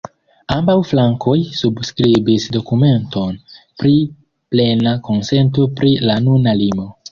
Ambaŭ flankoj subskribis dokumenton pri plena konsento pri la nuna limo.